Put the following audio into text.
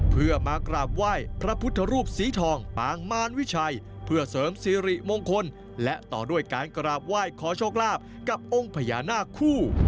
เพื่อมากราบไหว้พระพุทธรูปสีทองปางมารวิชัยเพื่อเสริมสิริมงคลและต่อด้วยการกราบไหว้ขอโชคลาภกับองค์พญานาคคู่